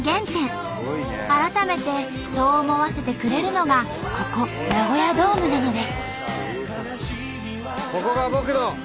改めてそう思わせてくれるのがここナゴヤドームなのです。